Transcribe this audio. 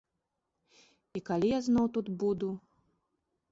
І калі я зноў тут буду?